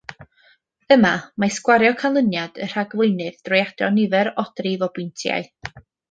Yma, mae sgwario canlyniad y rhagflaenydd drwy adio nifer odrif o bwyntiau.